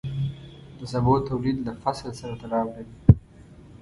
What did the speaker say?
د سبو تولید له فصل سره تړاو لري.